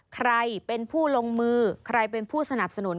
ใครเป็นผู้ลงมือใครเป็นผู้สนับสนุน